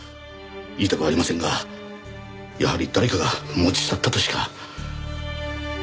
言いたくありませんがやはり誰かが持ち去ったとしか。